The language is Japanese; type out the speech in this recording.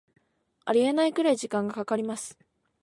ありえないくらい時間かかります